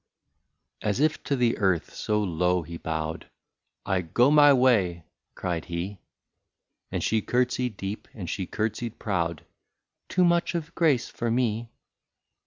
As if to the earth, so low he bowed —" I go my way ''— cried he ; And she curtsied deep, and she curtsied proud " Too much of grace for me."